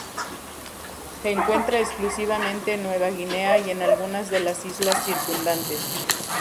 Se encuentra exclusivamente en Nueva Guinea y en algunas de las islas circundantes.